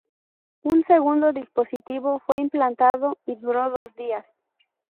Un segundo dispositivo fue implantado y duró dos días.